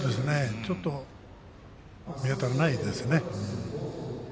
ちょっと見当たらないですね。